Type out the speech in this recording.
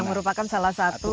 yang merupakan salah satu